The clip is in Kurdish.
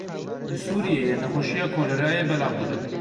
Li Sûriyeyê nexweşiya kolerayê belav dibe.